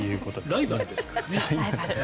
ライバルですからね。